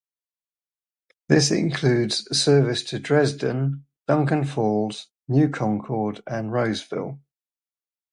This includes service to Dresden, Duncan Falls, New Concord, and Roseville.